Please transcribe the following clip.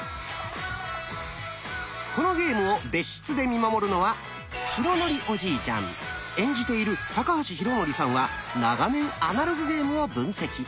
このゲームを別室で見守るのは演じている高橋浩徳さんは長年アナログゲームを分析。